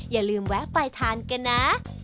อย่าลืมแวะไปทานกันนะ